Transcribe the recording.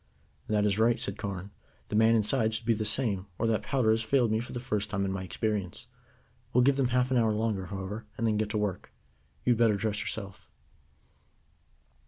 "That is right," said Carne. "The man inside should be the same, or that powder has failed me for the first time in my experience. We'll give them half an hour longer, however, and then get to work. You had better dress yourself."